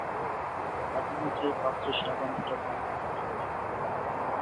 বাতির নিচে পাত্রে সাবান, ডিটারজেন্ট অথবা কেরোসিন মেশানো পানি রাখা হয়।